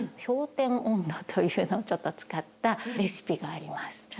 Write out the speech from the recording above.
「氷点温度」というのをちょっと使ったレシピがあります。